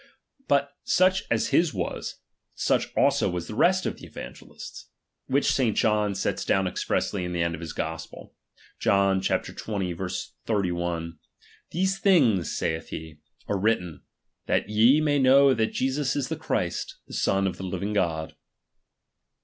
But such as his was, such also was the rest of the Evangelists; which St. John sets down expressly in the end of hi.s gospel (John sx. 31) : These things, saith he, are written, that ye may knoxo that Jesus is the Christ, the Son of the living God.